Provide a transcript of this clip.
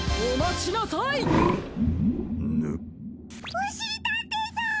おしりたんていさん！